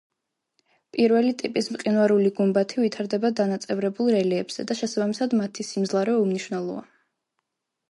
პირველი ტიპის მყინვარული გუმბათი ვითარდება დანაწევრებულ რელიეფზე და შესაბამისად, მათი სიმძლავრე უმნიშვნელოა.